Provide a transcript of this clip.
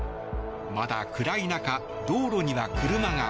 まだ暗い中、道路には車が。